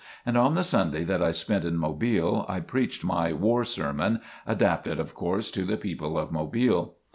And on the Sunday that I spent in Mobile, I preached my "war sermon," adapted, of course, to the people of Mobile.